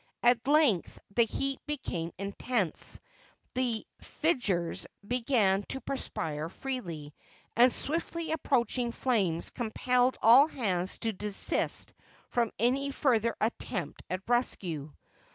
At length the heat became intense, the "figgers" began to perspire freely, and the swiftly approaching flames compelled all hands to desist from any further attempt at rescue.